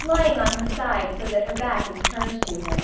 [Lying on her side, so that her back is turned to him.